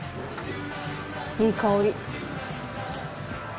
いい香り。